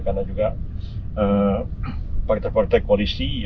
karena juga partai partai koalisi